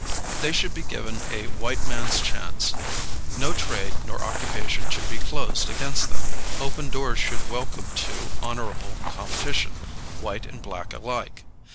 They should be given a white man's chance. No trade nor occupation should be closed against them. Open doors should welcome to honorable competition, white and black alike.